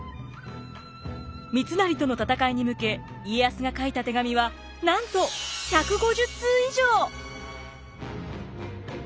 三成との戦いに向け家康が書いた手紙はなんと１５０通以上！